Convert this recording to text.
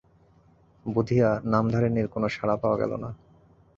বুধিয়া-নামধারিণীর কোনো সাড়া পাওয়া গেল না।